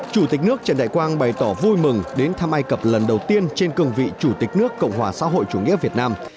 chủ tịch nước trần đại quang bày tỏ vui mừng đến thăm ai cập lần đầu tiên trên cương vị chủ tịch nước cộng hòa xã hội chủ nghĩa việt nam